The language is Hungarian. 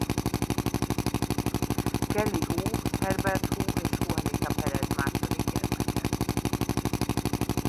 Kelly Hu Herbert Hu és Juanita Perez második gyermeke.